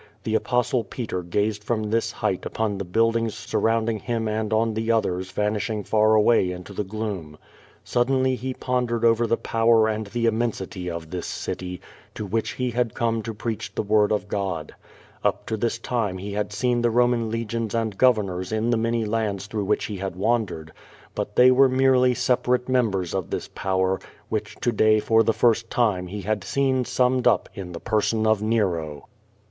The Apostle Peter gazed from this height upon the buildings surrounding him and on the others vanishing far away in the gloom. Silently he pondered over the power and the immensity of this city, to which he had come to preach the word of God. Up to this time he had seen the Eoman legions and govern ors in the many lands through which he had wandered, but they were merely separate members of this power, which to day for the first time he had seen summed up in the person of Nero.